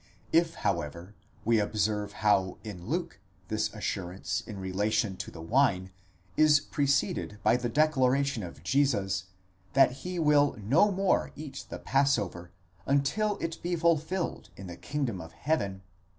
If, however, we observe how in Luke this assurance in relation to the wine is preceded by the declaration of Jesus, that he will no more eat the passover until it be fulfilled in the kingdom of God, it appears probable that 4 Ueber das Abendmahl, 5.